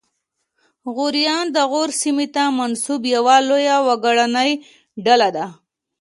غوریان د غور سیمې ته منسوب یوه لویه وګړنۍ ډله ده